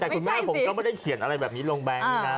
แต่คุณแม่ผมก็ไม่ได้เขียนอะไรแบบนี้ลงแบงค์นะ